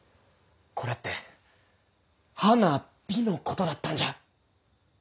これって花火のことだったんじゃ。